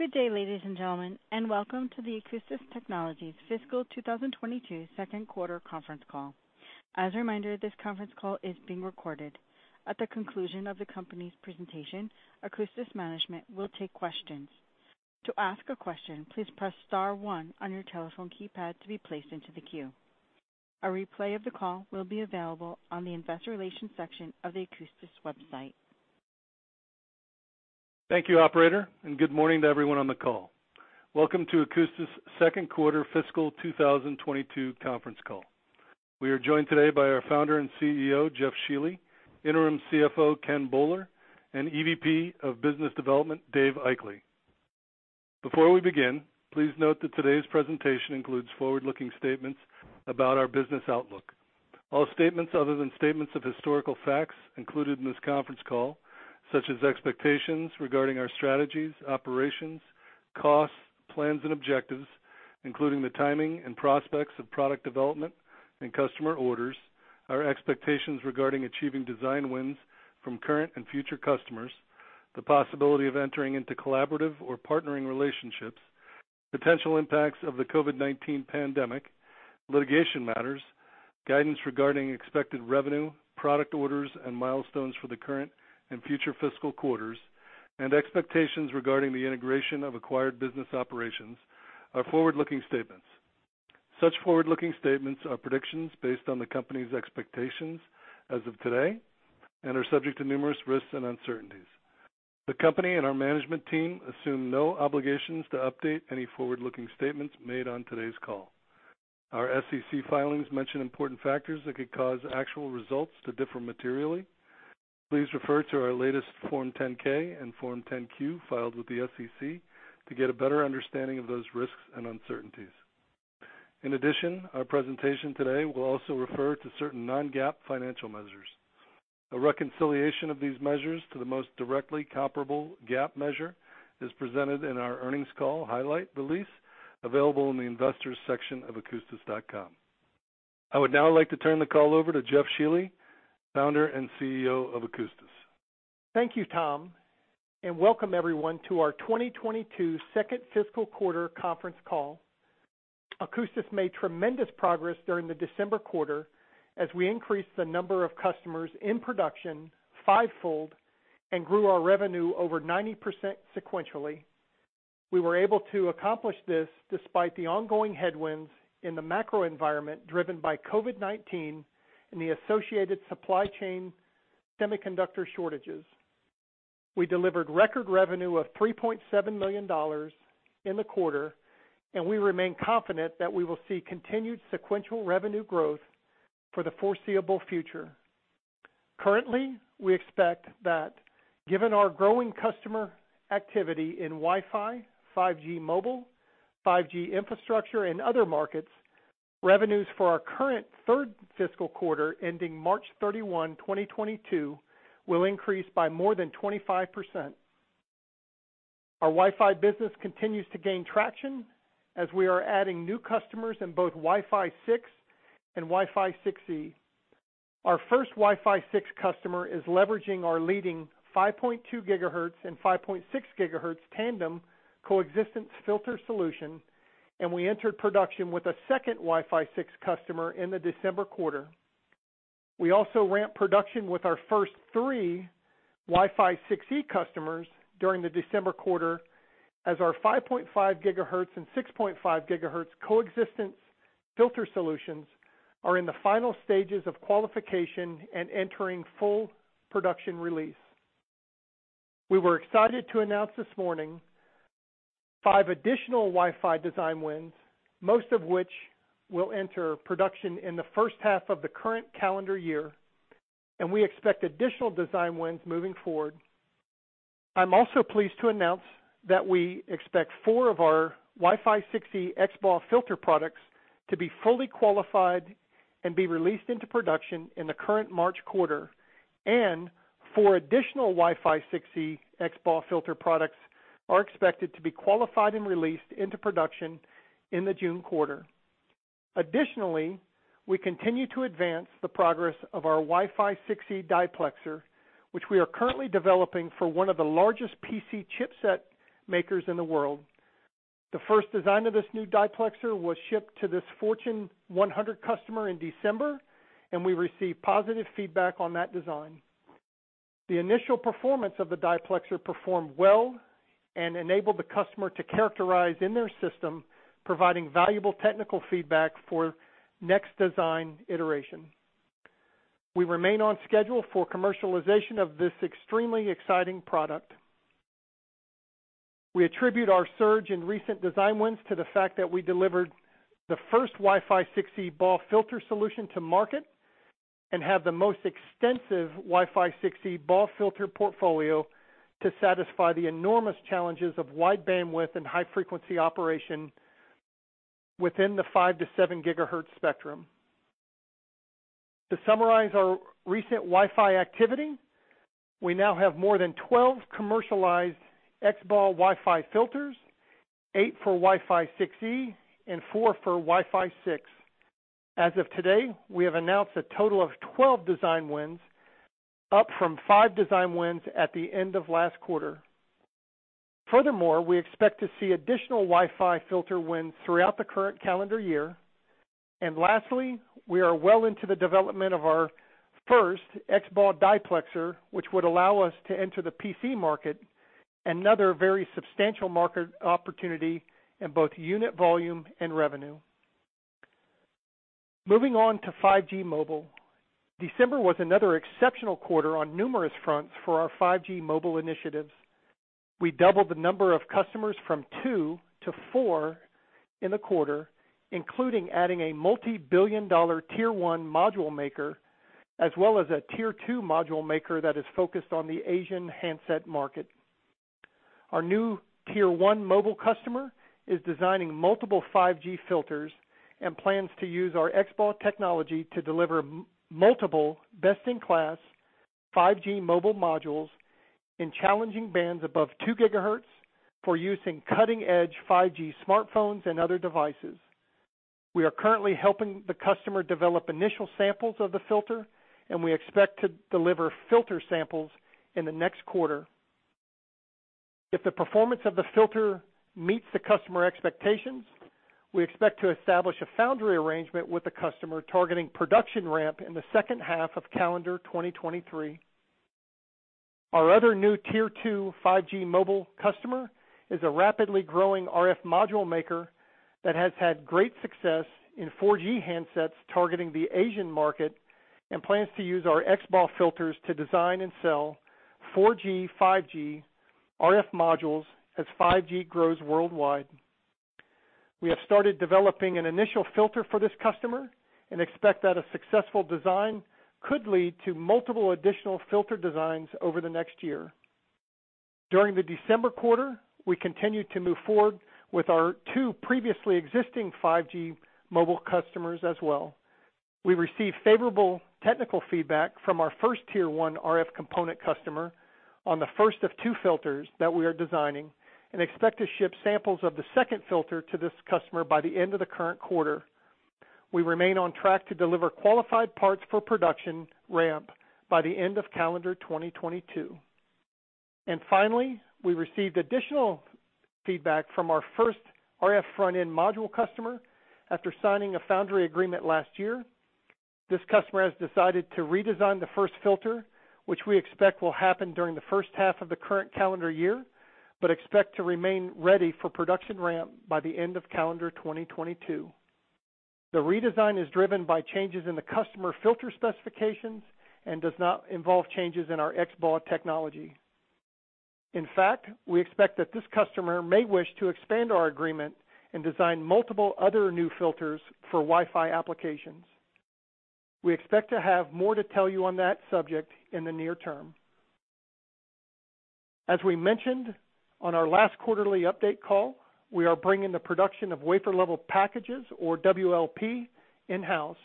Good day, ladies and gentlemen, and welcome to the Akoustis Technologies Fiscal 2022 Second Quarter Conference Call. As a reminder, this conference call is being recorded. At the conclusion of the company's presentation, Akoustis management will take questions. To ask a question, "please press star one" on your telephone keypad to be placed into the queue. A replay of the call will be available on the investor relations section of the Akoustis website. Thank you, operator, and good morning to everyone on the call. Welcome to Akousti's second quarter fiscal 2022 conference call. We are joined today by our founder and CEO, Jeff Shealy, interim CFO, Ken Boller, and EVP of Business Development, Dave Aichele. Before we begin, please note that today's presentation includes forward-looking statements about our business outlook. All statements other than statements of historical facts included in this conference call, such as expectations regarding our strategies, operations, costs, plans, and objectives, including the timing and prospects of product development and customer orders, our expectations regarding achieving design wins from current and future customers, the possibility of entering into collaborative or partnering relationships, potential impacts of the COVID-19 pandemic, litigation matters, guidance regarding expected revenue, product orders, and milestones for the current and future fiscal quarters, and expectations regarding the integration of acquired business operations are forward-looking statements. Such forward-looking statements are predictions based on the company's expectations as of today, and are subject to numerous risks and uncertainties. The company and our management team assume no obligations to update any forward-looking statements made on today's call. Our SEC filings mention important factors that could cause actual results to differ materially. Please refer to our latest Form 10-K and Form 10-Q filed with the SEC to get a better understanding of those risks and uncertainties. In addition, our presentation today will also refer to certain non-GAAP financial measures. A reconciliation of these measures to the most directly comparable GAAP measure is presented in our earnings call highlight release available in the investors section of akoustis.com. I would now like to turn the call over to Jeff Shealy, Founder and CEO of Akoustis. Thank you, Tom, and welcome everyone to our 2022 second fiscal quarter conference call. Akoustis made tremendous progress during the December quarter as we increased the number of customers in production five-fold and grew our revenue over 90% sequentially. We were able to accomplish this despite the ongoing headwinds in the macro environment driven by COVID-19 and the associated supply chain semiconductor shortages. We delivered record revenue of $3.7 million in the quarter, and we remain confident that we will see continued sequential revenue growth for the foreseeable future. Currently, we expect that given our growing customer activity in Wi-Fi, 5G mobile, 5G infrastructure, and other markets, revenues for our current third fiscal quarter ending March 31, 2022, will increase by more than 25%. Our Wi-Fi business continues to gain traction as we are adding new customers in both Wi-Fi 6 and Wi-Fi 6E. Our first Wi-Fi 6 customer is leveraging our leading 5.2 GHz and 5.6 GHz tandem coexistence filter solution, and we entered production with a second Wi-Fi 6 customer in the December quarter. We also ramped production with our first three Wi-Fi 6E customers during the December quarter as our 5.5 GHz and 6.5 GHz coexistence filter solutions are in the final stages of qualification and entering full production release. We were excited to announce this morning five additional Wi-Fi design wins, most of which will enter production in the first half of the current calendar year, and we expect additional design wins moving forward. I'm also pleased to announce that we expect four of our Wi-Fi 6 XBAW filter products to be fully qualified and be released into production in the current March quarter, and four additional Wi-Fi 6 XBAW filter products are expected to be qualified and released into production in the June quarter. Additionally, we continue to advance the progress of our Wi-Fi 6E diplexer, which we are currently developing for one of the largest PC chipset makers in the world. The first design of this new diplexer was shipped to this Fortune 100 customer in December, and we received positive feedback on that design. The initial performance of the diplexer performed well and enabled the customer to characterize in their system, providing valuable technical feedback for next design iteration. We remain on schedule for commercialization of this extremely exciting product. We attribute our surge in recent design wins to the fact that we delivered the first Wi-Fi 6E BAW filter solution to market and have the most extensive Wi-Fi 6E BAW filter portfolio to satisfy the enormous challenges of wide bandwidth and high frequency operation within the 5-7 GHz spectrum. To summarize our recent Wi-Fi activity, we now have more than 12 commercialized XBAW Wi-Fi filters, eight for Wi-Fi 6E, and four for Wi-Fi 6. As of today, we have announced a total of 12 design wins, up from five design wins at the end of last quarter. Furthermore, we expect to see additional Wi-Fi filter wins throughout the current calendar year. Lastly, we are well into the development of our first XBAW diplexer, which would allow us to enter the PC market, another very substantial market opportunity in both unit volume and revenue. Moving on to 5G mobile. December was another exceptional quarter on numerous fronts for our 5G mobile initiatives. We doubled the number of customers from two to four in the quarter, including adding a multi-billion-dollar Tier 1 module maker, as well as a Tier 2 module maker that is focused on the Asian handset market. Our new Tier 1 mobile customer is designing multiple 5G filters and plans to use our XBAW technology to deliver multiple best-in-class 5G mobile modules in challenging bands above 2 GHz for use in cutting-edge 5G smartphones and other devices. We are currently helping the customer develop initial samples of the filter, and we expect to deliver filter samples in the next quarter. If the performance of the filter meets the customer expectations, we expect to establish a foundry arrangement with the customer, targeting production ramp in the second half of calendar 2023. Our other new Tier 2 5G mobile customer is a rapidly growing RF module maker that has had great success in 4G handsets targeting the Asian market, and plans to use our XBAW filters to design and sell 4G, 5G RF modules as 5G grows worldwide. We have started developing an initial filter for this customer and expect that a successful design could lead to multiple additional filter designs over the next year. During the December quarter, we continued to move forward with our two previously existing 5G mobile customers as well. We received favorable technical feedback from our first Tier 1 RF component customer on the first of two filters that we are designing, and expect to ship samples of the second filter to this customer by the end of the current quarter. We remain on track to deliver qualified parts for production ramp by the end of calendar 2022. Finally, we received additional feedback from our first RF front-end module customer after signing a foundry agreement last year. This customer has decided to redesign the first filter, which we expect will happen during the first half of the current calendar year, but expect to remain ready for production ramp by the end of calendar 2022. The redesign is driven by changes in the customer filter specifications and does not involve changes in our XBAW technology. In fact, we expect that this customer may wish to expand our agreement and design multiple other new filters for Wi-Fi applications. We expect to have more to tell you on that subject in the near term. As we mentioned on our last quarterly update call, we are bringing the production of wafer-level packages, or WLP, in-house.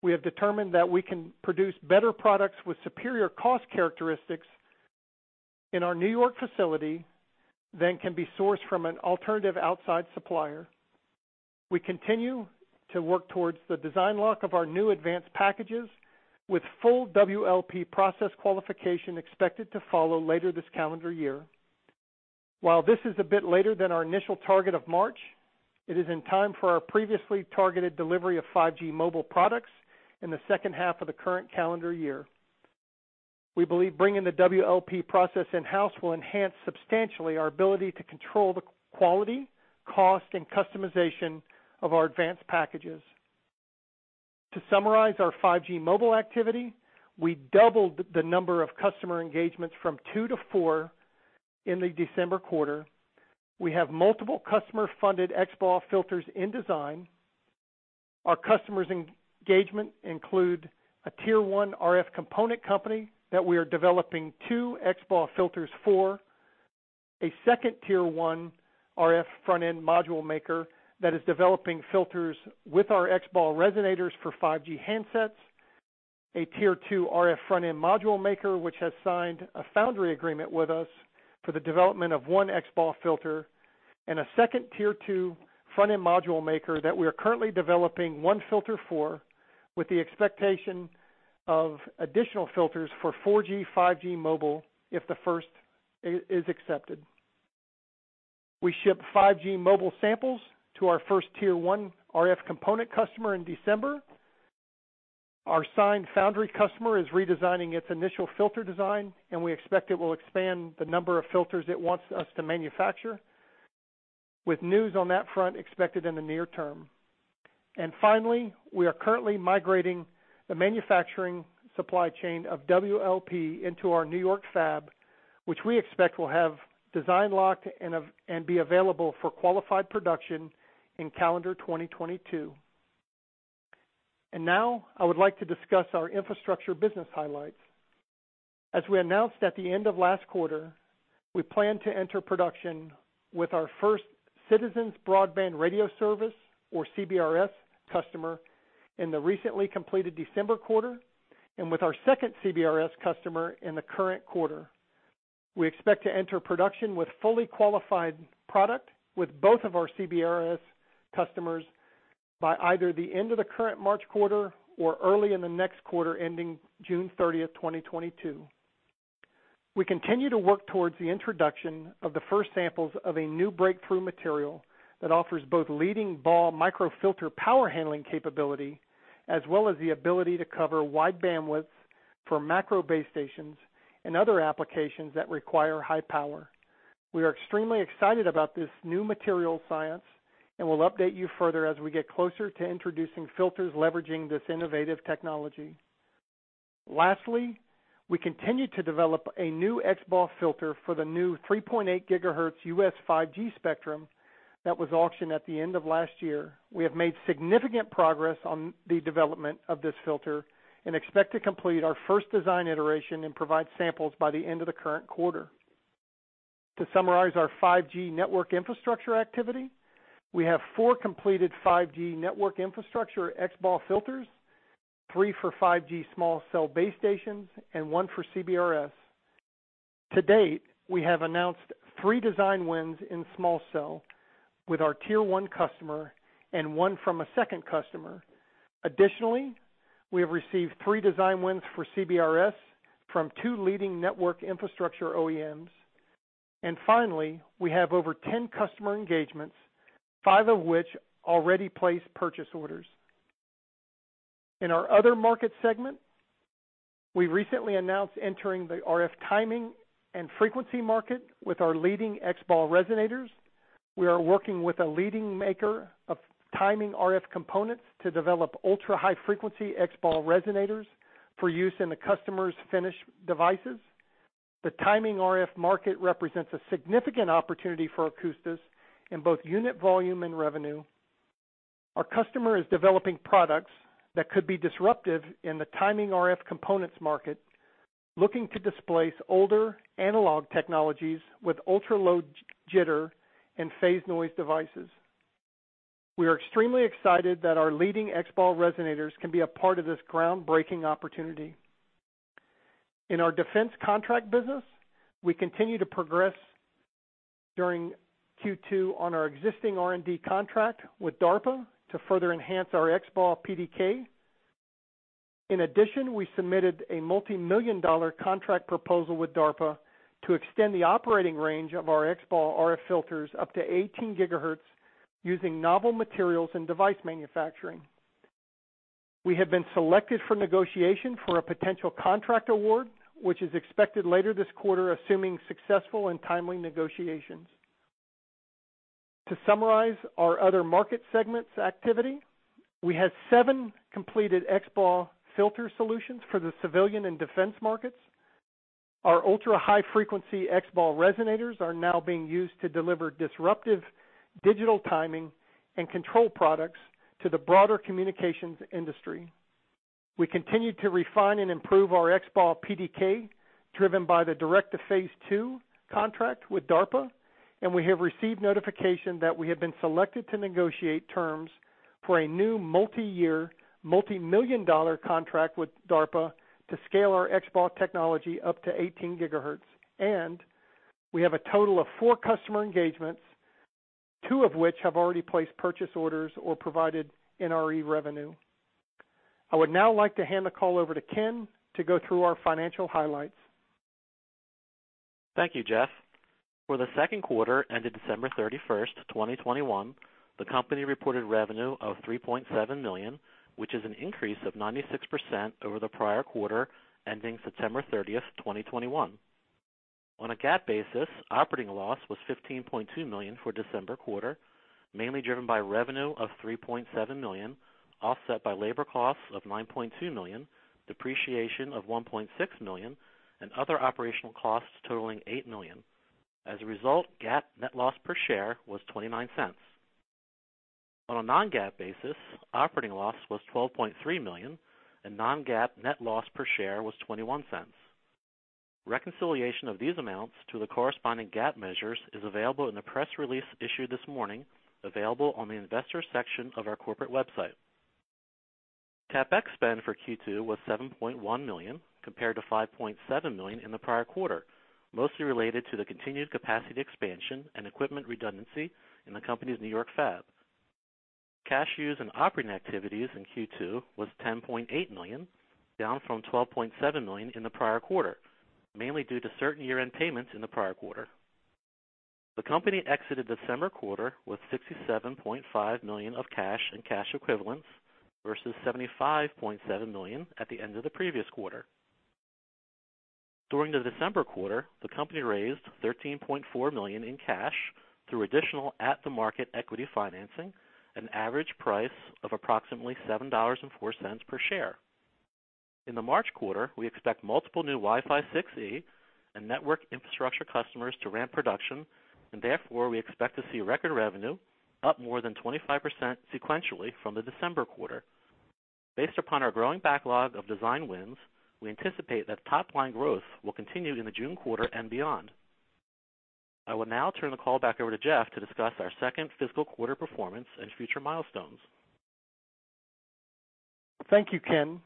We have determined that we can produce better products with superior cost characteristics in our New York facility than can be sourced from an alternative outside supplier. We continue to work towards the design lock of our new advanced packages, with full WLP process qualification expected to follow later this calendar year. While this is a bit later than our initial target of March, it is in time for our previously targeted delivery of 5G mobile products in the second half of the current calendar year. We believe bringing the WLP process in-house will enhance substantially our ability to control the quality, cost, and customization of our advanced packages. To summarize our 5G mobile activity, we doubled the number of customer engagements from two to four in the December quarter. We have multiple customer-funded XBAW filters in design. Our customers' engagement include a Tier 1 RF component company that we are developing two XBAW filters for, a second Tier 1 RF front-end module maker that is developing filters with our XBAW resonators for 5G handsets, a Tier 2 RF front-end module maker, which has signed a foundry agreement with us for the development of one XBAW filter, and a second Tier 2 front-end module maker that we are currently developing one filter for, with the expectation of additional filters for 4G, 5G mobile if the first is accepted. We shipped 5G mobile samples to our first Tier 1 RF component customer in December. Our signed foundry customer is redesigning its initial filter design, and we expect it will expand the number of filters it wants us to manufacture, with news on that front expected in the near term. Finally, we are currently migrating the manufacturing supply chain of WLP into our New York fab, which we expect will have design locked and be available for qualified production in calendar 2022. Now I would like to discuss our infrastructure business highlights. As we announced at the end of last quarter, we plan to enter production with our first Citizens Broadband Radio Service, or CBRS, customer in the recently completed December quarter, and with our second CBRS customer in the current quarter. We expect to enter production with fully qualified product with both of our CBRS customers by either the end of the current March quarter or early in the next quarter ending June 30th, 2022. We continue to work towards the introduction of the first samples of a new breakthrough material that offers both leading BAW micro filter power handling capability, as well as the ability to cover wide bandwidths for macro base stations and other applications that require high power. We are extremely excited about this new material science, and we'll update you further as we get closer to introducing filters leveraging this innovative technology. Lastly, we continue to develop a new XBAW filter for the new 3.8 GHz U.S. 5G spectrum that was auctioned at the end of last year. We have made significant progress on the development of this filter and expect to complete our first design iteration and provide samples by the end of the current quarter. To summarize our 5G network infrastructure activity, we have four completed 5G network infrastructure XBAW filters, three for 5G small cell base stations and one for CBRS. To date, we have announced three design wins in small cell with our Tier 1 customer and one from a second customer. Additionally, we have received three design wins for CBRS from two leading network infrastructure OEMs. Finally, we have over 10 customer engagements, five of which already placed purchase orders. In our other market segment, we recently announced entering the RF timing and frequency market with our leading XBAW resonators. We are working with a leading maker of timing RF components to develop ultra-high frequency XBAW resonators for use in the customer's finished devices. The timing RF market represents a significant opportunity for Akoustis in both unit volume and revenue. Our customer is developing products that could be disruptive in the timing RF components market, looking to displace older analog technologies with ultra-low jitter and phase noise devices. We are extremely excited that our leading XBAW resonators can be a part of this groundbreaking opportunity. In our defense contract business, we continue to progress during Q2 on our existing R&D contract with DARPA to further enhance our XBAW PDK. In addition, we submitted a multi-million dollar contract proposal with DARPA to extend the operating range of our XBAW RF filters up to 18 GHz using novel materials and device manufacturing. We have been selected for negotiation for a potential contract award, which is expected later this quarter, assuming successful and timely negotiations. To summarize our other market segments activity, we had seven completed XBAW filter solutions for the civilian and defense markets. Our ultra-high frequency XBAW resonators are now being used to deliver disruptive digital timing and control products to the broader communications industry. We continue to refine and improve our XBAW PDK, driven by the direct-to-phase II contract with DARPA, and we have received notification that we have been selected to negotiate terms for a new multi-year, multi-million-dollar contract with DARPA to scale our XBAW technology up to 18 GHz. We have a total of four customer engagements, two of which have already placed purchase orders or provided NRE revenue. I would now like to hand the call over to Ken to go through our financial highlights. Thank you, Jeff. For the second quarter ended December 31st, 2021, the company reported revenue of $3.7 million, which is an increase of 96% over the prior quarter ending September 30th, 2021. On a GAAP basis, operating loss was $15.2 million for December quarter, mainly driven by revenue of $3.7 million, offset by labor costs of $9.2 million, depreciation of $1.6 million, and other operational costs totaling $8 million. As a result, GAAP net loss per share was $0.29. On a non-GAAP basis, operating loss was $12.3 million, and non-GAAP net loss per share was $0.21. Reconciliation of these amounts to the corresponding GAAP measures is available in the press release issued this morning, available on the investor section of our corporate website. CapEx spend for Q2 was $7.1 million, compared to $5.7 million in the prior quarter, mostly related to the continued capacity expansion and equipment redundancy in the company's New York fab. Cash use in operating activities in Q2 was $10.8 million, down from $12.7 million in the prior quarter, mainly due to certain year-end payments in the prior quarter. The company exited December quarter with $67.5 million of cash and cash equivalents versus $75.7 million at the end of the previous quarter. During the December quarter, the company raised $13.4 million in cash through additional at-the-market equity financing, at an average price of approximately $7.04 per share. In the March quarter, we expect multiple new Wi-Fi 6E and network infrastructure customers to ramp production, and therefore, we expect to see record revenue up more than 25% sequentially from the December quarter. Based upon our growing backlog of design wins, we anticipate that top line growth will continue in the June quarter and beyond. I will now turn the call back over to Jeff to discuss our second fiscal quarter performance and future milestones. Thank you, Ken.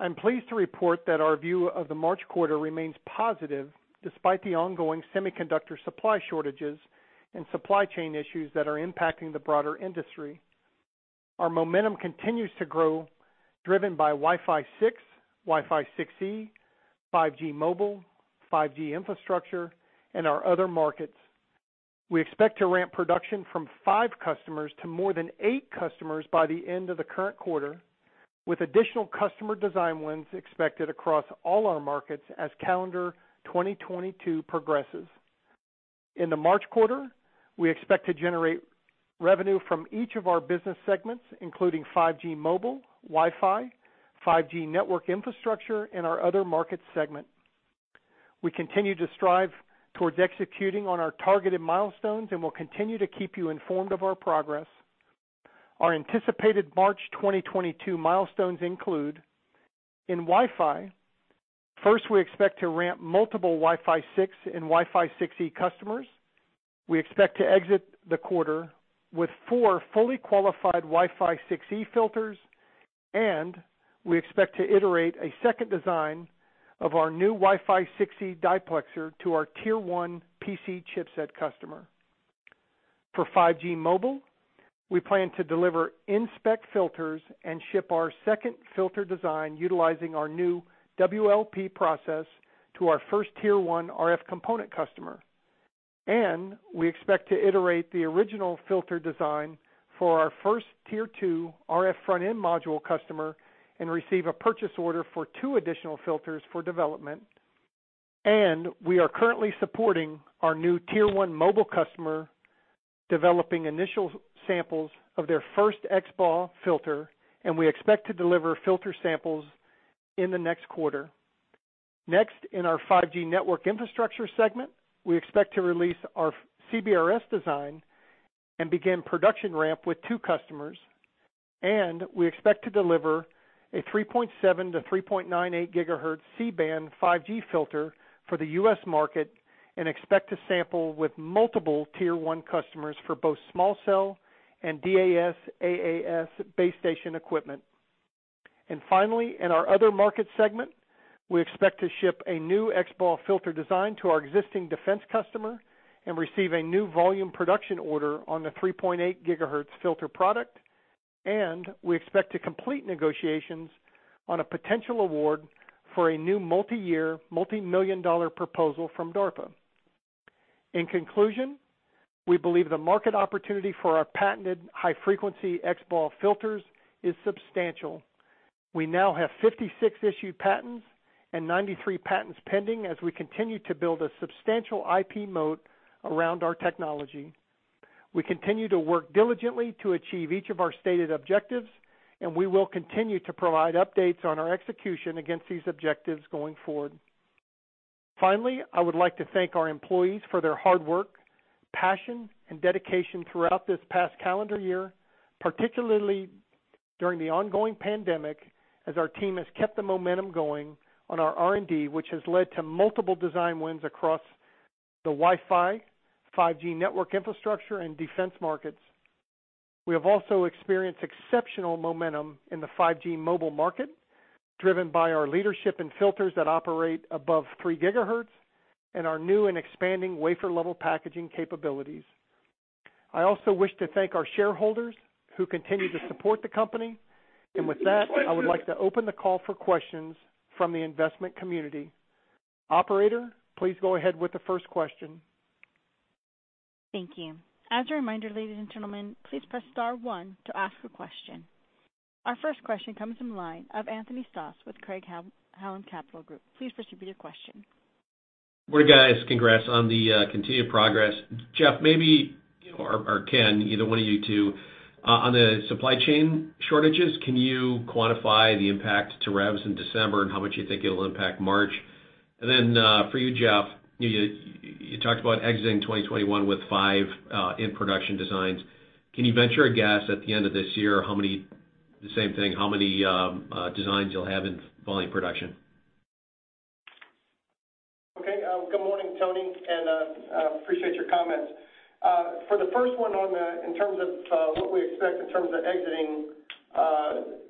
I'm pleased to report that our view of the March quarter remains positive despite the ongoing semiconductor supply shortages and supply chain issues that are impacting the broader industry. Our momentum continues to grow, driven by Wi-Fi 6, Wi-Fi 6E, 5G mobile, 5G infrastructure and our other markets. We expect to ramp production from five customers to more than eight customers by the end of the current quarter, with additional customer design wins expected across all our markets as calendar 2022 progresses. In the March quarter, we expect to generate revenue from each of our business segments, including 5G mobile, Wi-Fi, 5G network infrastructure, and our other market segment. We continue to strive towards executing on our targeted milestones, and we'll continue to keep you informed of our progress. Our anticipated March 2022 milestones include, in Wi-Fi, first, we expect to ramp multiple Wi-Fi 6 and Wi-Fi 6E customers. We expect to exit the quarter with four fully qualified Wi-Fi 6E filters, and we expect to iterate a second design of our new Wi-Fi 6E diplexer to our Tier 1 PC chipset customer. For 5G mobile, we plan to deliver inspect filters and ship our second filter design utilizing our new WLP process to our first Tier 1 RF component customer. And we expect to iterate the original filter design for our first Tier 2 Rf front-end module customer and received a purchase order for two additional filters for development. We are currently supporting our new Tier 1 mobile customer, developing initial samples of their first XBAW filter, and we expect to deliver filter samples in the next quarter. Next, in our 5G network infrastructure segment, we expect to release our CBRS design and begin production ramp with two customers. We expect to deliver a 3.7-3.98 GHz C-band 5G filter for the U.S. market and expect to sample with multiple Tier 1 customers for both small cell and DAS, AAS base station equipment. Finally, in our other market segment, we expect to ship a new XBAW filter design to our existing defense customer and receive a new volume production order on the 3.8 GHz filter product. We expect to complete negotiations on a potential award for a new multi-year, multi-million-dollar proposal from DARPA. In conclusion, we believe the market opportunity for our patented high frequency XBAW filters is substantial. We now have 56 issued patents and 93 patents pending as we continue to build a substantial IP moat around our technology. We continue to work diligently to achieve each of our stated objectives, and we will continue to provide updates on our execution against these objectives going forward. Finally, I would like to thank our employees for their hard work, passion and dedication throughout this past calendar year, particularly during the ongoing pandemic, as our team has kept the momentum going on our R&D, which has led to multiple design wins across the Wi-Fi, 5G network infrastructure and defense markets. We have also experienced exceptional momentum in the 5G mobile market, driven by our leadership in filters that operate above 3 GHz and our new and expanding wafer level packaging capabilities. I also wish to thank our shareholders who continue to support the company. With that, I would like to open the call for questions from the investment community. Operator, please go ahead with the first question. Thank you. As a reminder, ladies and gentlemen, please press star one to ask a question. Our first question comes from the line of Anthony Stoss with Craig-Hallum Capital Group. Please proceed with your question. Morning, guys. Congrats on the continued progress. Jeff, maybe or Ken, either one of you two. On the supply chain shortages, can you quantify the impact to revs in December and how much you think it will impact March? For you, Jeff, you talked about exiting 2021 with five in production designs. Can you venture a guess at the end of this year how many designs you'll have in volume production? Okay. Good morning, Tony, and I appreciate your comments. For the first one on the in terms of what we expect in terms of exiting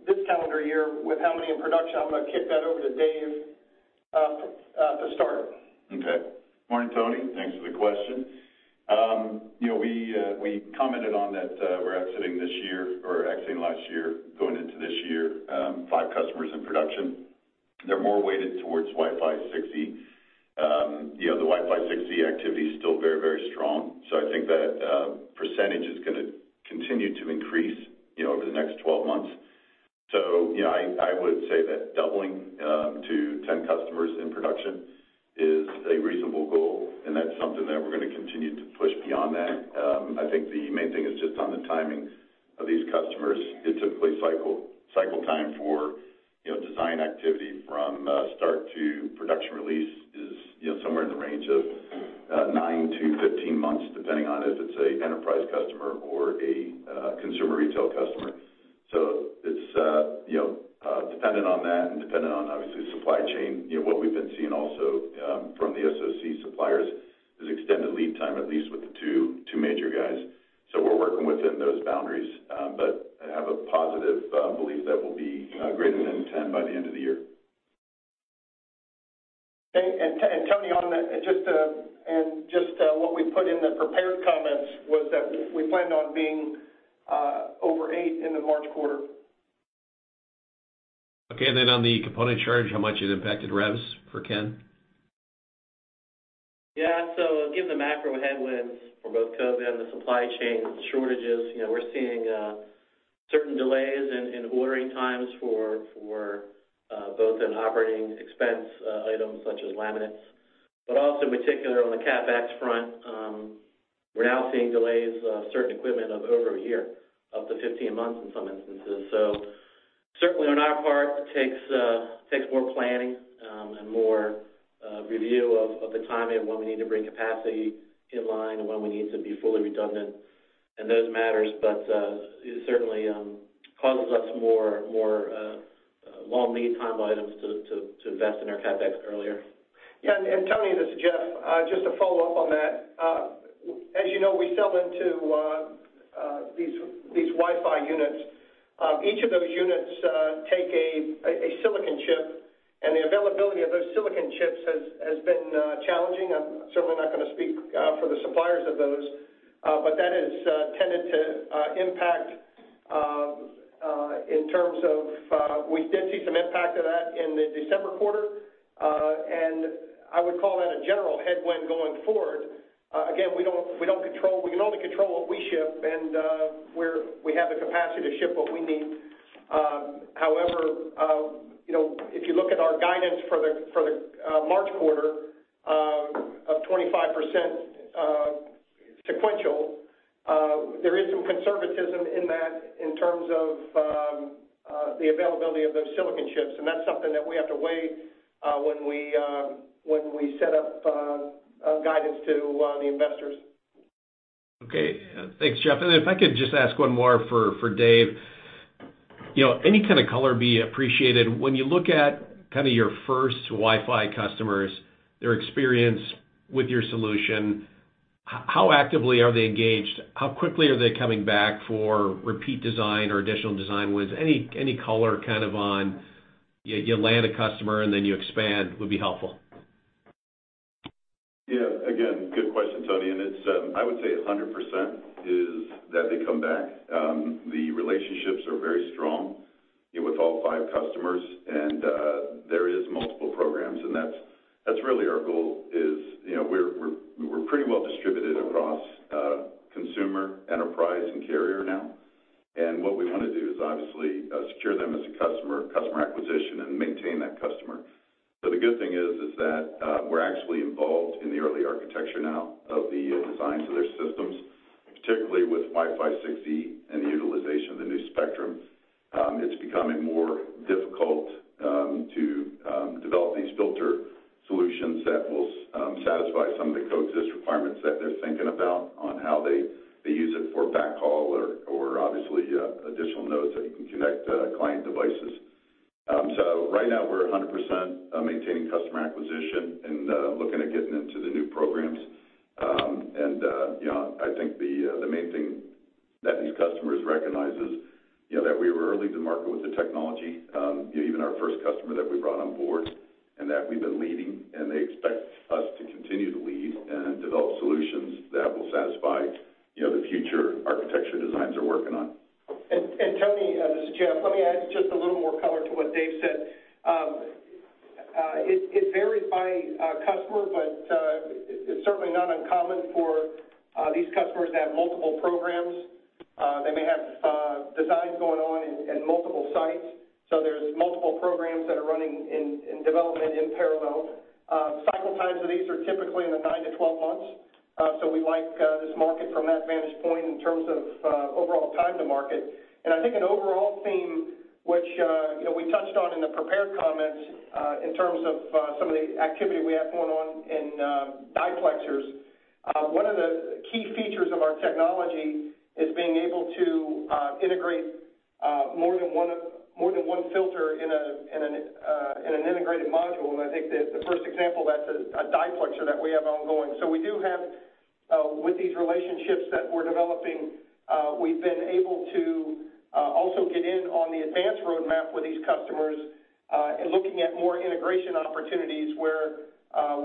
this calendar year with how many in production, I'm gonna kick that over to Dave to start. Okay. Morning, Tony. Thanks for the question. You know, we commented on that, we're exiting this year or exiting last year, going into this year, five customers in production. They're more weighted towards Wi-Fi 6. You know, the Wi-Fi 6 activity is still very, very strong. I think that percentage is gonna continue to increase, you know, over the next 12 months. You know, I would say that doubling to 10 customers in production is a reasonable goal, and that's something that we're gonna continue to push beyond that. I think the main thing is just on the timing of these customers. It's typically cycle time for, you know, design activity from start to production release is, you know, somewhere in the range of 9-15 months, depending on if it's an enterprise customer or a consumer retail customer. It's dependent on that and dependent on obviously supply chain, you know, what we've been seeing also from the SoC suppliers is extended lead time, at least with the two major guys. We're working within those boundaries, but I have a positive belief that we'll be greater than 10 by the end of the year. Tony, on that, just what we put in the prepared comments was that we plan on being over eight in the March quarter. Okay. On the component charge, how much it impacted revs for Ken? Given the macro headwinds for both COVID and the supply chain shortages, you know, we're seeing certain delays in ordering times for both in operating expense items such as laminates, but also in particular on the CapEx front, we're now seeing delays of certain equipment of over a year, up to 15 months in some instances. Certainly on our part, it takes more planning and more review of the timing of when we need to bring capacity in line and when we need to be fully redundant and those matters. It certainly causes us more long lead time items to invest in our CapEx earlier. Tony, this is Jeff. Just to follow up on that. As you know, we sell into these Wi-Fi units. Each of those units take a silicon chip, and the availability of those silicon chips has been challenging. I'm certainly not gonna speak for the suppliers of those, but that has tended to impact in terms of we did see some impact of that in the December quarter. I would call that a general headwind going forward. Again, we don't control. We can only control what we ship and we have the capacity to ship what we need. However, you know, if you look at our guidance for the March quarter of 25% sequential, there is some conservatism in that in terms of the availability of those silicon chips, and that's something that we have to weigh when we set up guidance to the investors. Okay. Thanks, Jeff. If I could just ask one more for Dave. You know, any kind of color would be appreciated. When you look at kind of your first Wi-Fi customers, their experience with your solution, how actively are they engaged? How quickly are they coming back for repeat design or additional design wins? Any color kind of on you land a customer and then you expand would be helpful. Again, good question, Tony. It's 100% that they come back. The relationships are very strong, you know, with all five customers and there are multiple programs and that's really our goal, you know, we're pretty well distributed across consumer, enterprise, and carrier now. What we want to do is obviously secure them as a customer acquisition, and maintain that customer. The good thing is that we're actually involved in the early architecture now of the designs of their systems, particularly with Wi-Fi 6E and the utilization of the new spectrum. It's becoming more difficult to develop these filter solutions that will satisfy some of the 5G's requirements that they're thinking about on how they use it for backhaul or obviously additional nodes that you can connect client devices. Right now we're 100% maintaining customer acquisition and looking at getting into the new programs. You know, I think the main thing that these customers recognize is, you know, that we were early to market with the technology, you know, even our first customer that we brought on board and that we've been leading and they expect us to continue to lead and develop solutions that will satisfy, you know, the future architecture designs they're working on. Tony, this is Jeff. Let me add just a little more color to what Dave said. It varies by customer, but it's certainly not uncommon for these customers to have multiple programs. They may have designs going on in multiple sites, so there's multiple programs that are running in development in parallel. Cycle times of these are typically in the 9-12 months, so we like this market from that vantage point in terms of overall time to market. I think an overall theme, which you know we touched on in the prepared comments, in terms of some of the activity we have going on in diplexers, one of the key features of our technology is being able to integrate more than one filter in an integrated module. I think the first example of that is a diplexer that we have ongoing. We do have with these relationships that we're developing, we've been able to also get in on the advanced roadmap with these customers and looking at more integration opportunities where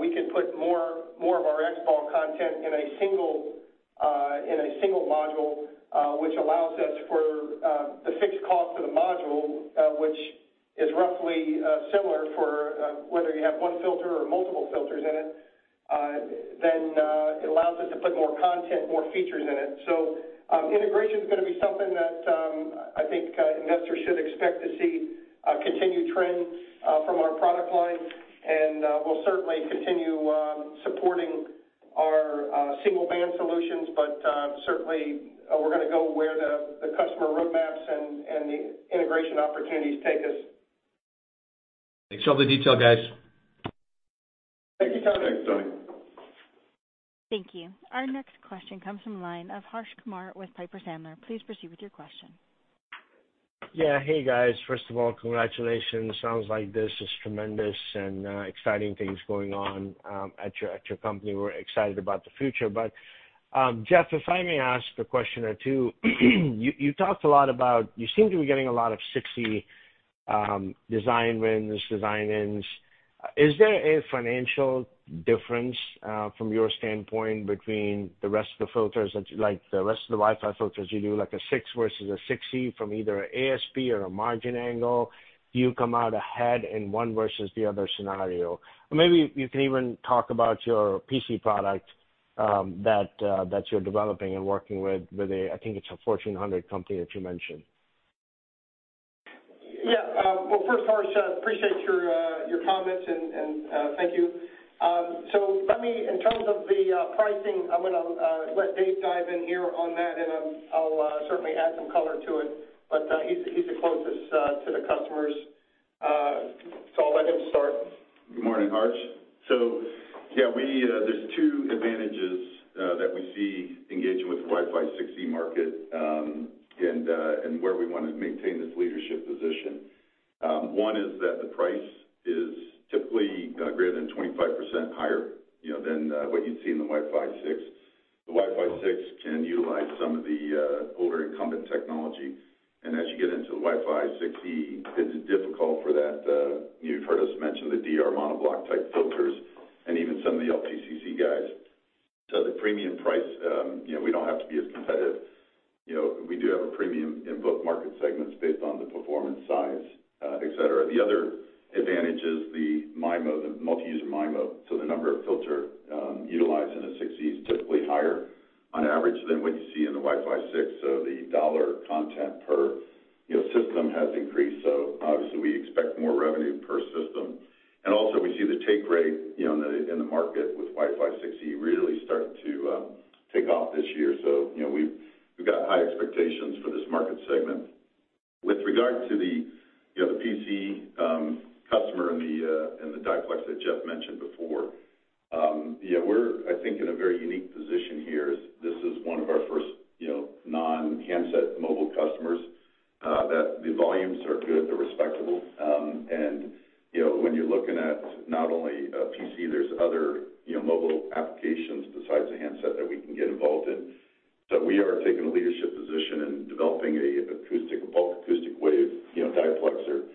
we can put more of our XBAW content in a single module, which allows us for the fixed cost of the module, which is roughly similar for whether you have one filter or multiple filters in it, then it allows us to put more content, more features in it. Integration's gonna be something that I think investors should expect to see a continued trend from our product line. We'll certainly continue supporting our single band solutions, but certainly, we're gonna go where the customer roadmaps and the integration opportunities take us. Thanks for all the detail, guys. Thank you. Our next question comes from the line of Harsh Kumar with Piper Sandler. Please proceed with your question. First of all, congratulations. Sounds like this is tremendous and exciting things going on at your company. We're excited about the future. Jeff, if I may ask a question or two. You seem to be getting a lot of 60 design wins, design-ins. Is there a financial difference from your standpoint between the rest of the filters that like the rest of the Wi-Fi filters you do, like a six versus a 60 from either ASP or a margin angle, do you come out ahead in one versus the other scenario? Maybe you can even talk about your PC product that you're developing and working with a, I think it's a Fortune 100 company that you mentioned. Well, first, Harsh, I appreciate your comments and thank you. In terms of the pricing, I'm gonna let Dave dive in here on that, and I'll certainly add some color to it. He's the closest to the customers, so I'll let him start. Good morning, Harsh. Yeah, we, there's two advantages that we see engaging with Wi-Fi 6E market, and where we wanna maintain this leadership position. One is that the price is typically greater than 25% higher, you know, than what you'd see in the Wi-Fi 6. The Wi-Fi 6 can utilize some of the older incumbent technology, and as you get into the Wi-Fi 6E, it's difficult for that. You've heard us mention the DR monoblock type filters and even some of the LTCC guys. The premium price, you know, we don't have to be as competitive. You know, we do have a premium in both market segments based on the performance, size, et cetera. The other advantage is the MIMO, the multi-user MIMO. The number of filters utilized in a Wi-Fi 6E is typically higher on average than what you see in the Wi-Fi 6. The dollar content per, you know, system has increased. Obviously we expect more revenue per system. We also see the take rate, you know, in the market with Wi-Fi 6E really starting to take off this year. You know, we've got high expectations for this market segment. With regard to the, you know, the PC customer and the diplexer that Jeff mentioned before, yeah, we're, I think, in a very unique position here as this is one of our first, you know, non-handset mobile customers that the volumes are good, they're respectable. You know, when you're looking at not only a PC, there are other, you know, mobile applications besides the handset that we can get involved in. We are taking a leadership position in developing a bulk acoustic wave diplexer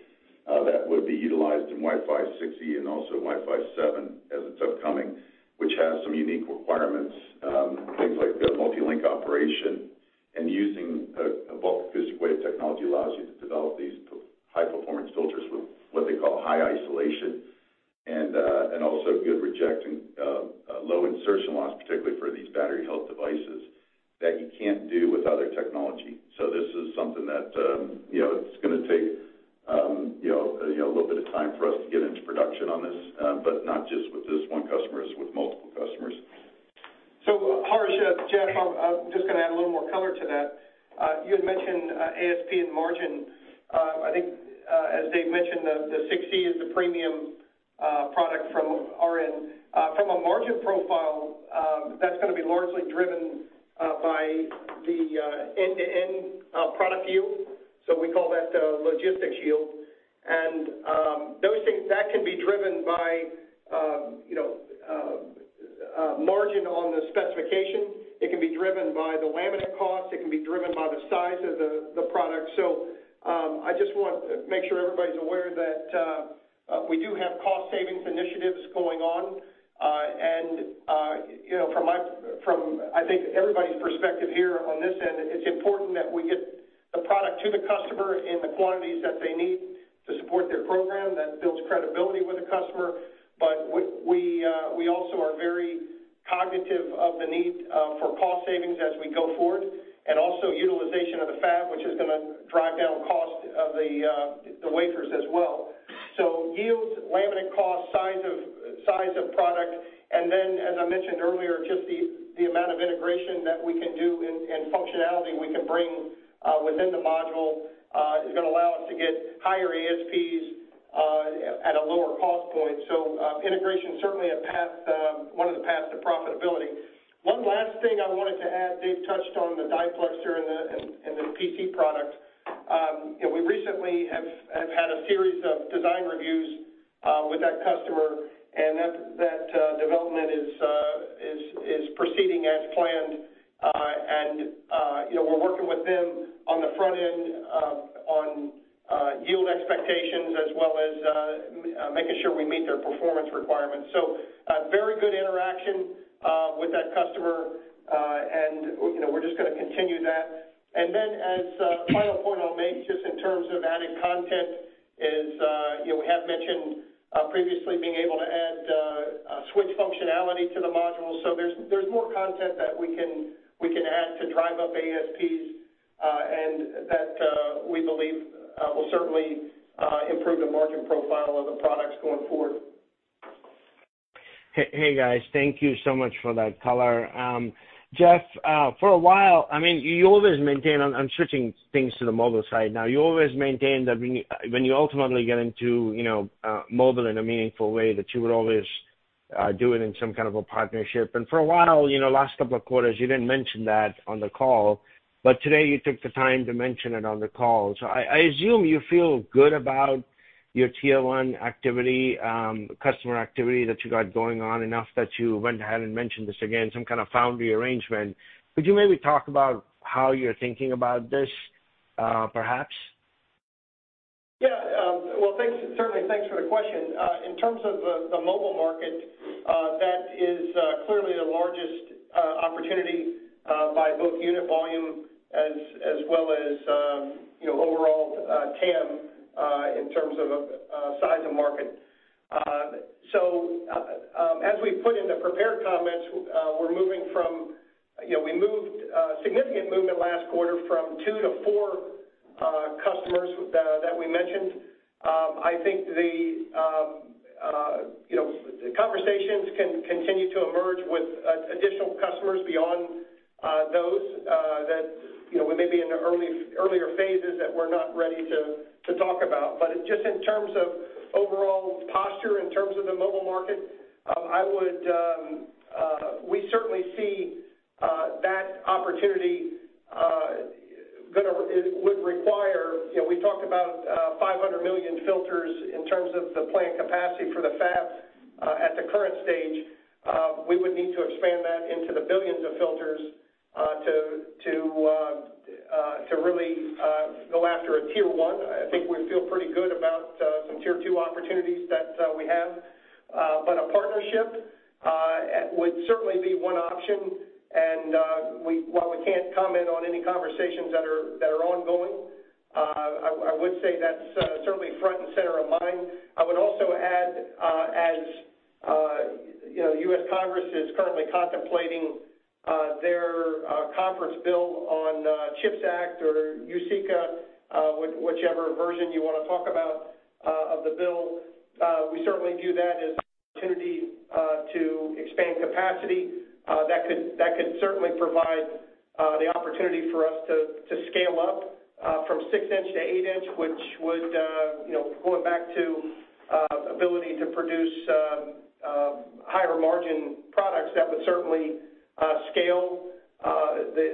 that would be utilized in Wi-Fi 6E and also Wi-Fi 7 as it's upcoming, which has some unique requirements. and that development is proceeding as planned. You know, we're working with them on the front end on yield expectations as well as making sure we meet their performance requirements. Very good interaction with that customer. You know, we're just gonna continue that. As a final point I'll make just in terms of added content is, you know, we have mentioned previously being able to add switch functionality to the module. There's more content that we can add to drive up ASPs, and that we believe will certainly improve the margin profile of the products going forward. Thank you so much for that color. Jeff, for a while, I mean, I'm switching things to the mobile side now. You always maintain that when you ultimately get into, you know, mobile in a meaningful way, that you would always do it in some kind of a partnership. For a while, you know, last couple of quarters, you didn't mention that on the call, but today you took the time to mention it on the call. I assume you feel good about your Tier 1 activity, customer activity that you got going on enough that you went ahead and mentioned this again, some kind of foundry arrangement. Could you maybe talk about how you're thinking about this, perhaps? Well, thanks for the question. Certainly, thanks for the question. In terms of the mobile market, that is clearly the largest opportunity by both unit volume as well as, you know, overall TAM in terms of size of market. As we put in the prepared comments, we moved significant movement last quarter from two to four customers that we mentioned. I think, you know, conversations can continue to emerge with additional customers beyond those that we may be in the earlier phases that we're not ready to talk about. Just in terms of overall posture, in terms of the mobile market, I would we certainly see that opportunity. It would require, you know, we talked about 500 million filters in terms of the plant capacity for the fabs. At the current stage, we would need to expand that into the billions of filters to really go after a Tier 1. I think we feel pretty good about some Tier 2 opportunities that we have. A partnership would certainly be one option. While we can't comment on any conversations that are ongoing, I would say that's certainly front and center of mind. I would also add, as you know, U.S. Congress is currently contemplating their conference bill on CHIPS Act or USICA, whichever version you wanna talk about of the bill, we certainly view that as an opportunity to expand capacity that could certainly provide the opportunity for us to scale up from 6-inch to 8-inch, which would, you know, going back to ability to produce higher margin products, that would certainly scale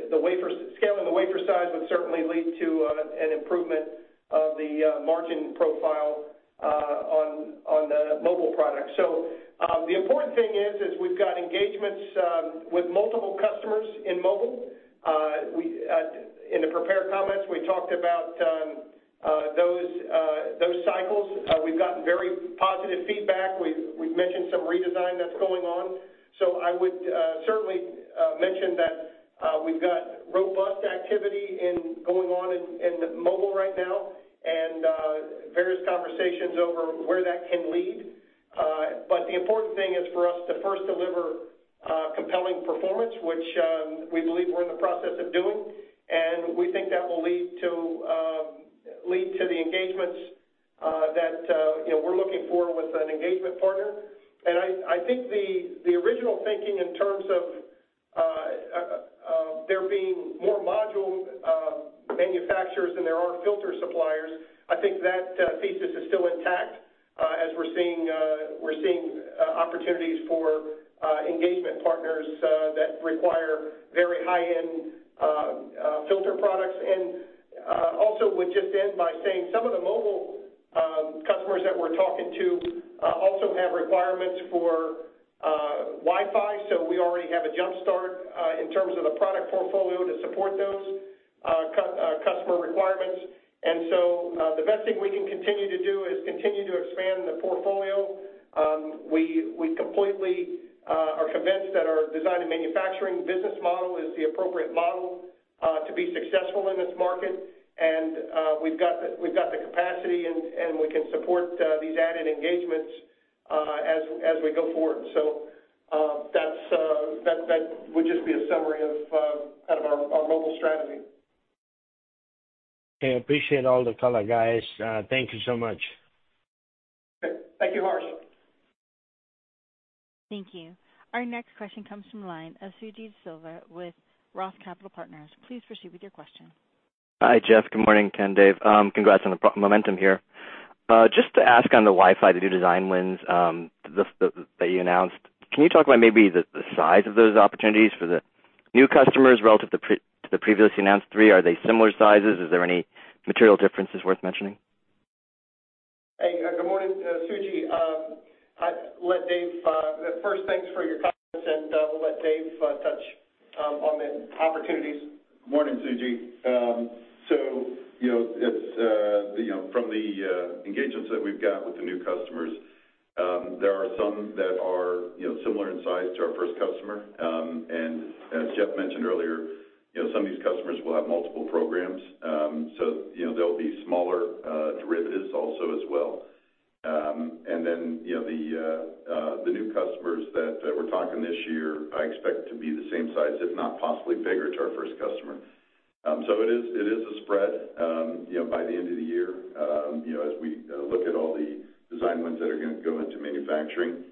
the wafer scale. The wafer size would certainly lead to an improvement of the margin profile on the mobile product. The important thing is we've got engagements with multiple customers in mobile. In the prepared comments, we talked about those cycles. We've gotten very positive feedback. We've mentioned some redesign that's going on. I would certainly mention that we've got robust activity going on in mobile right now and various conversations over where that can lead. The important thing is for us to first deliver compelling performance, which we believe we're in the process of doing, and we think that will lead to the engagements that you know we're looking for with an engagement partner. I think the original thinking in terms of there being more module manufacturers than there are filter suppliers. I think that thesis is still intact, as we're seeing opportunities for engagement partners that require very high-end filter products. Also would just end by saying some of the mobile customers that we're talking to also have requirements for Wi-Fi. We already have a jump start in terms of the product portfolio to support those customer requirements. The best thing we can continue to do is continue to expand the portfolio. We completely are convinced that our design and manufacturing business model is the appropriate model to be successful in this market. We've got the capacity and we can support these added engagements as we go forward. That would just be a summary of kind of our mobile strategy. Okay. Appreciate all the color, guys. Thank you so much. Thank you, Harsh. Thank you. Our next question comes from the line of Suji Desilva with Roth Capital Partners. Please proceed with your question. Hi, Jeff. Good morning, Ken, Dave. Congrats on the promising momentum here. Just to ask on the Wi-Fi, the new design wins that you announced, can you talk about maybe the size of those opportunities for the new customers relative to the previously announced three? Are they similar sizes? Is there any material differences worth mentioning? Hey, good morning, Suji. First, thanks for your comments, and we'll let Dave touch on the opportunities. Morning, Suji. You know, it's from the engagements that we've got with the new customers. There are some that are, you know, similar in size to our first customer. As Jeff mentioned earlier, you know, some of these customers will have multiple programs. You know, there'll be smaller derivatives also as well. Then, you know, the new customers that we're talking this year, I expect to be the same size, if not possibly bigger, to our first customer. It is a spread, you know, by the end of the year, you know, as we look at all the design wins that are gonna go into manufacturing,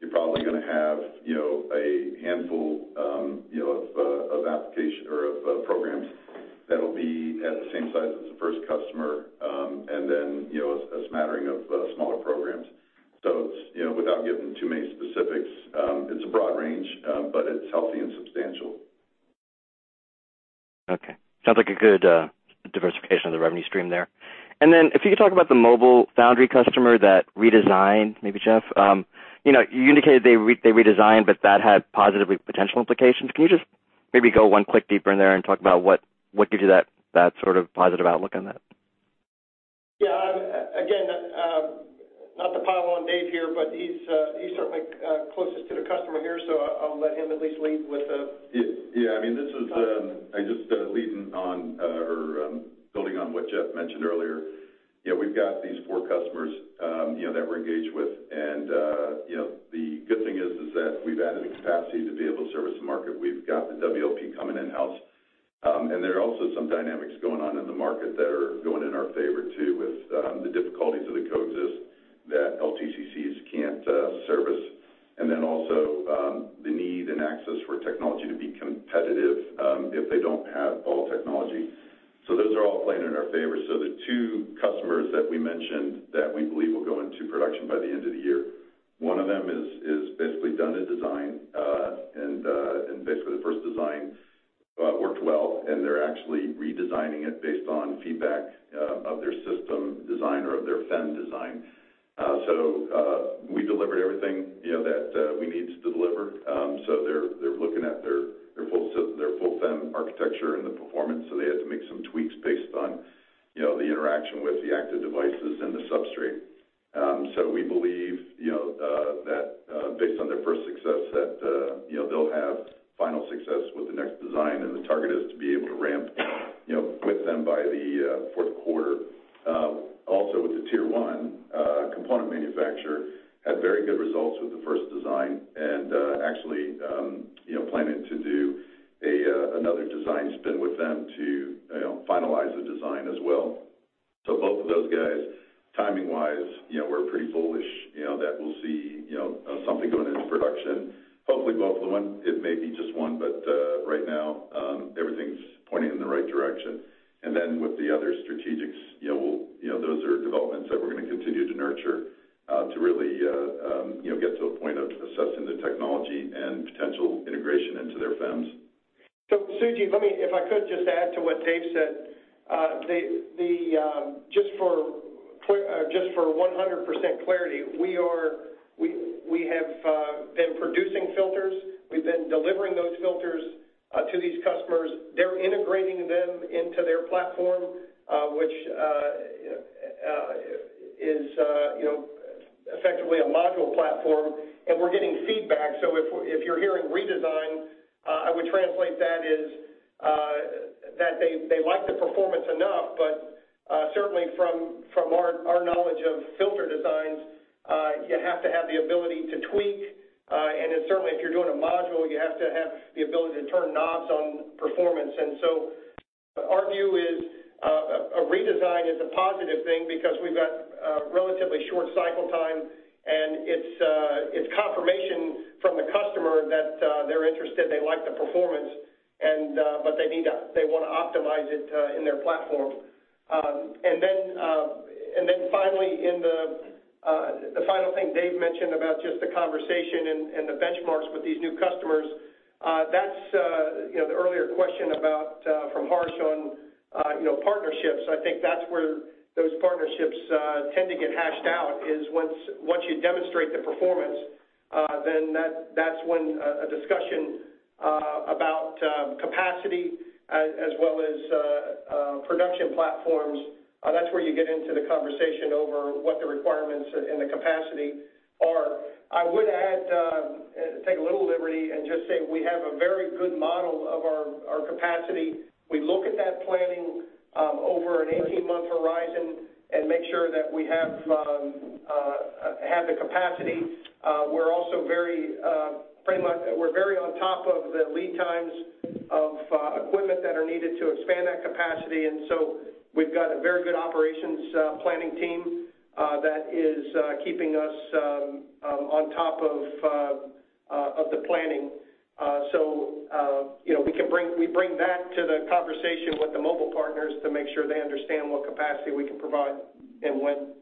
you're probably gonna have, you know, a handful, you know, of applications or programs that'll be at the same size as the first customer, and then, you know, a smattering of smaller programs. It's, you know, without getting into too many specifics, a broad range, but it's healthy and substantial. Okay. Sounds like a good diversification of the revenue stream there. Then if you could talk about the mobile foundry customer that redesigned, maybe Jeff, you indicated they redesigned, but that had positive potential implications. Can you just maybe go one click deeper in there and talk about what gives you that sort of positive outlook on that? Again, not to pile on Dave here, but he's certainly closest to the customer here, so I'll let him at least lead with the- Yeah. I mean, this is building on what Jeff mentioned earlier. You know, we've got these four customers, you know, that we're engaged with. You know, the good thing is that we've added the capacity to be able to service the market. We've got the WLP coming in-house, and there are also some dynamics going on in the market that are going in our favor too, with the difficulties of the coex is that LTCCs can't service. Also, the need and access for technology to be competitive, if they don't have all technology. Those are all playing in our favor. The two customers that we mentioned that we believe will go into production by the end of the year, one of them is basically done in design, and basically the first design worked well, and they're actually redesigning it based on feedback of their system design or of their FEM design. We delivered everything, you know, that we needed to deliver. They're looking at their full FEM architecture and the performance. They had to make some tweaks based on, you know, the interaction with the active devices and the substrate. We believe, you know, that based on their first success, you know, they'll have final success with the next design, and the target is to be able to ramp, you know, with them by the fourth quarter. Also, with the Tier 1 component manufacturer, we had very good results with the first design and actually, you know, planning to do another design spin with them to, you know, finalize the design as well. Both of those guys, timing-wise, you know, we're pretty bullish, you know, that we'll see, you know, something going into production. Hopefully, both of them. It may be just one, but right now, everything's pointing in the right direction. With the other strategics, you know, we'll, you know, those are developments that we're gonna continue to nurture to really, you know, get to a point of assessing the technology and potential integration into their FEMs. Suji, let me, if I could just add to what Dave said. Just for 100% clarity, we have been producing filters. We've been delivering those filters to these customers. They're integrating them into their platform, which, you know, is effectively a module platform, and we're getting feedback. If you're hearing redesign, I would translate that as that they like the performance enough, but certainly from our knowledge of filter designs, you have to have the ability to tweak, and then certainly if you're doing a module, you have to have the ability to turn knobs on performance. Our view is a redesign is a positive thing because we've got a relatively short cycle time, and it's confirmation from the customer that they're interested, they like the performance, and but they wanna optimize it in their platform. Finally, the final thing Dave mentioned about just the conversation and the benchmarks with these new customers, that's you know the earlier question about from Harsh on, you know, partnerships. I think that's where those partnerships tend to get hashed out, is once you demonstrate the performance, then that's when a discussion about capacity as well as production platforms, that's where you get into the conversation over what the requirements and the capacity are. I would add, take a little liberty and just say we have a very good model of our capacity. We look at that planning over an 18-month horizon and make sure that we have the capacity. We're also very on top of the lead times of equipment that are needed to expand that capacity. We've got a very good operations planning team that is keeping us on top of the planning. You know, we bring that to the conversation with the mobile partners to make sure they understand what capacity we can provide and when.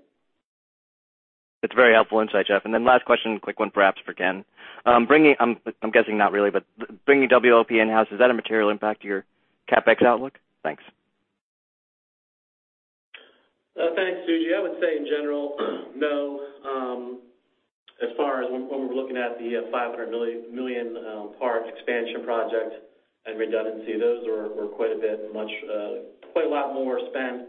That's very helpful insight, Jeff. Last question, quick one perhaps for Ken. I'm guessing not really, but bringing WLP in-house, is that a material impact to your CapEx outlook? Thanks. Thanks, Suji. I would say in general, no. As far as when we're looking at the 500 million parts expansion project and redundancy, those were quite a bit much, quite a lot more spend.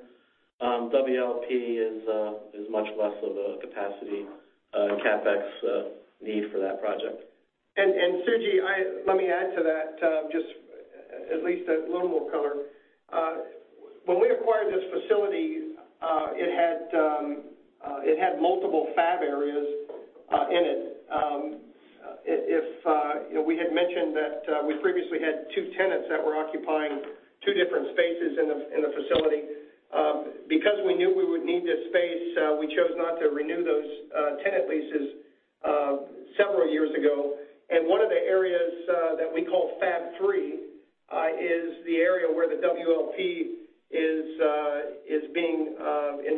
WLP is much less of a capacity CapEx need for that project. Suji, let me add to that, just at least a little more color. When we acquired this facility, it had multiple fab areas in it. You know, we had mentioned that we previously had two tenants that were occupying two different spaces in the facility. Because we knew we would need this space, we chose not to renew those tenant leases several years ago, and one of the areas that we call Fab Three is the area where the WLP is being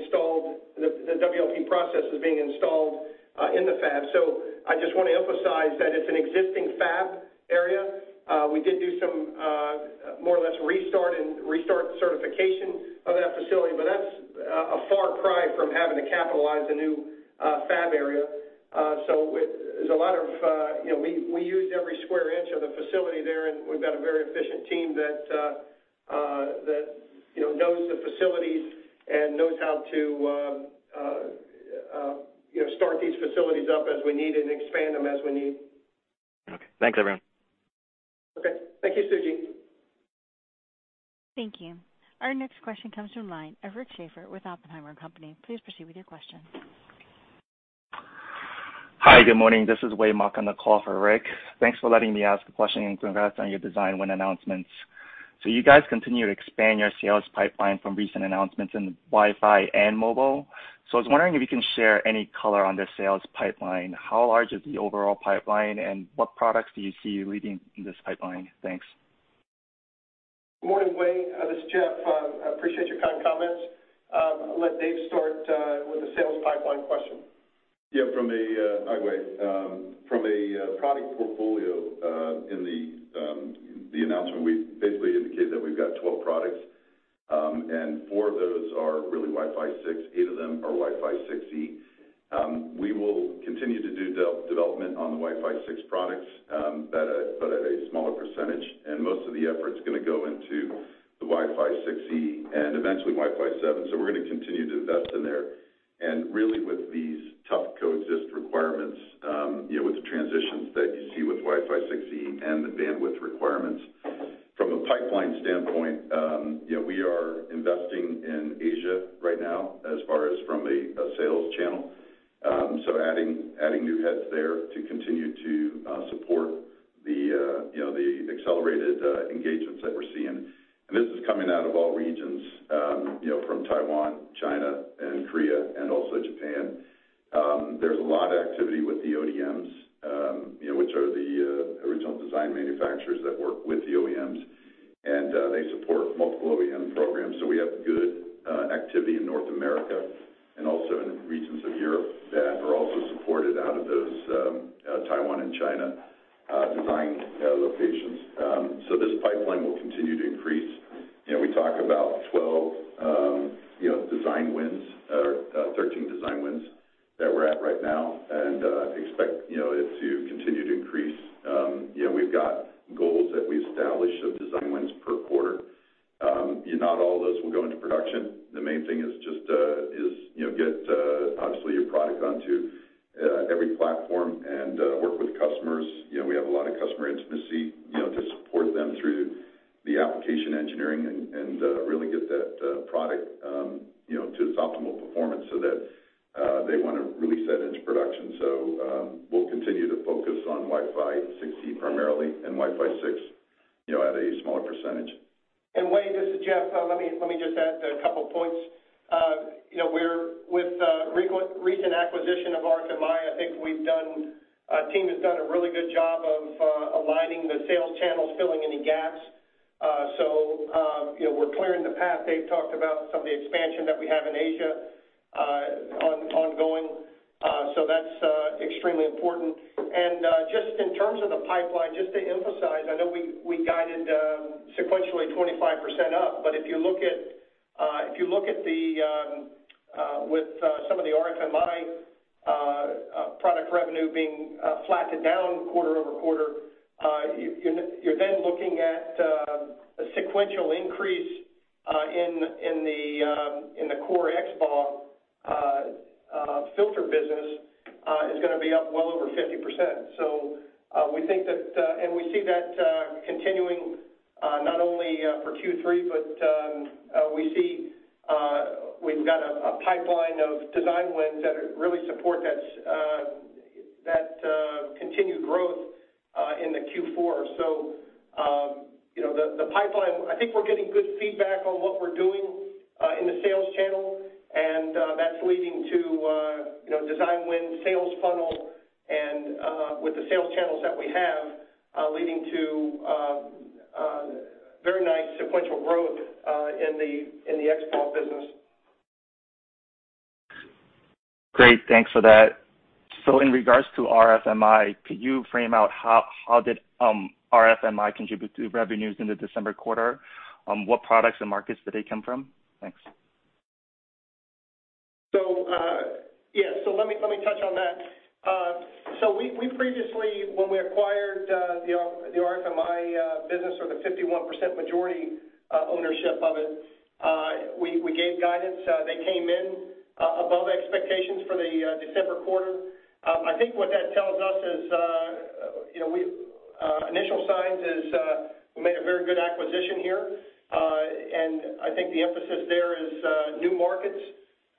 installed. The WLP process is being installed in the fab. I just wanna emphasize that it's an existing fab area. We did do some more or less restart certification of that facility, but that's a far cry from having to capitalize a new fab area. So there's a lot of you know we used every square inch of the facility there, and we've got a very efficient team that you know knows the facilities and knows how to you know start these facilities up as we need and expand them as we need. Okay. Thanks, everyone. Okay, thank you, Suji. Thank you. Our next question comes from the line of Rick Schafer with Oppenheimer & Co. Inc. Please proceed with your question. Hi, good morning. This is Wei Mok on the call for Rick. Thanks for letting me ask a question, and congrats on your design win announcements. You guys continue to expand your sales pipeline from recent announcements in Wi-Fi and mobile. I was wondering if you can share any color on the sales pipeline. How large is the overall pipeline, and what products do you see leading in this pipeline? Thanks. Morning, Wei. This is Jeff. I appreciate your kind comments. I'll let Dave start with the sales pipeline question. From a product portfolio in the announcement, we basically indicated that we've got 12 products, and four of those are really Wi-Fi 6, eight of them are Wi-Fi 6E. We will continue to do development on the Wi-Fi 6 products, but at a smaller percentage, and most of the effort's gonna go into the Wi-Fi 6E and eventually Wi-Fi 7. We're gonna continue to invest in there. Really with these tough coexist requirements, you know, with the transitions that you see with Wi-Fi 6E and the bandwidth requirements from a pipeline standpoint, you know, we are investing in Asia right now as far as from a sales channel. Adding new heads there to continue to support the you know the accelerated engagements that we're seeing. This is coming out of all regions you know from Taiwan, China, and Korea, and also Japan. There's a lot of activity with the ODMs you know which are the original design manufacturers that work with the OEMs and they support multiple OEM programs. We have good activity in North America and also in regions of Europe that are also supported out of those Taiwan and China design locations. This pipeline will continue to increase. You know we talk about 12 you know design wins or 13 design wins that we're at right now and expect you know it to continue to increase. You know, we've got goals that we establish of design wins per quarter. Not all of those will go into production. The main thing is just you know to get obviously a product onto every platform and work with customers. You know, we have a lot of customer intimacy, you know, to support them through the application engineering and really get that product you know to its optimal performance so that they wanna release that into production. We'll continue to focus on Wi-Fi 6E primarily and Wi-Fi 6 you know at a smaller percentage. Wei, this is Jeff. Let me just add a couple points. You know, we're with recent acquisition of RFMi, I think our team has done a really good job of aligning the sales channels, filling any gaps. So, you know, we're clearing the path. Dave talked about some of the expansion that we have in Asia, ongoing. So that's extremely important. Just in terms of the pipeline, just to emphasize, I know we guided sequentially 25% up, but if you look at with some of the RFMi product revenue being flat to down quarter-over-quarter, you're then looking at a sequential increase in the core XBAW filter business is gonna be up well over 50%. We think that and we see that continuing not only for Q3, but we see we've got a pipeline of design wins that really support that continued growth into Q4. You know, the pipeline, I think we're getting good feedback on what we're doing in the sales channel, and that's leading to, you know, design wins, sales funnel, and with the sales channels that we have, leading to very nice sequential growth in the XBAW business. Great. Thanks for that. In regards to RFMi, could you frame out how did RFMi contribute to revenues in the December quarter? What products and markets did they come from? Thanks. Let me touch on that. We previously, when we acquired the RFMi business or the 51% majority ownership of it, we gave guidance. They came in above expectations for the December quarter. I think what that tells us is, you know, initial signs is we made a very good acquisition here. I think the emphasis there is new markets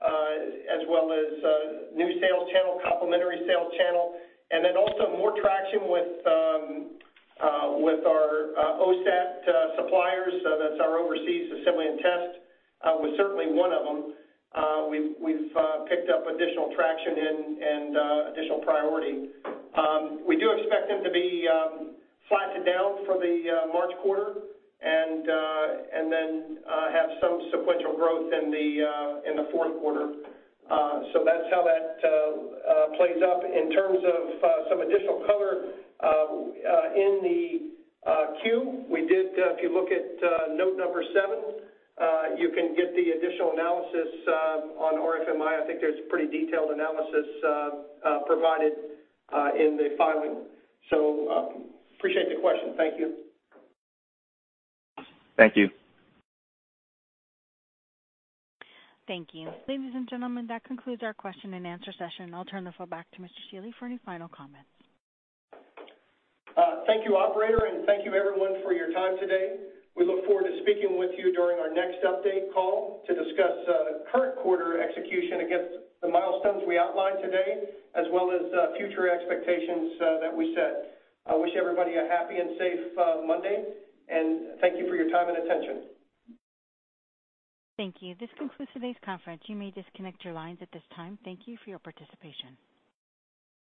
as well as new sales channel, complementary sales channel, and then also more traction with our OSAT suppliers, so that's our overseas assembly and test was certainly one of them. We've picked up additional traction and additional priority. We do expect them to be flat to down for the March quarter and then have some sequential growth in the fourth quarter. That's how that plays up. In terms of some additional color, in the 10-Q, if you look at note number seven, you can get the additional analysis on RFMi. I think there's pretty detailed analysis provided in the filing. Appreciate the question. Thank you. Thank you. Thank you. Ladies and gentlemen, that concludes our question and answer session. I'll turn the floor back to Mr. Shealy for any final comments. Thank you, operator, and thank you everyone for your time today. We look forward to speaking with you during our next update call to discuss current quarter execution against the milestones we outlined today, as well as future expectations that we set. I wish everybody a happy and safe Monday, and thank you for your time and attention. Thank you. This concludes today's conference. You may disconnect your lines at this time. Thank you for your participation.